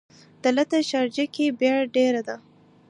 دلته شارجه ګې بیړ ډېر ده.